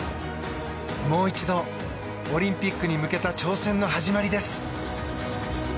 もう一度、オリンピックに向けた挑戦の始まりです。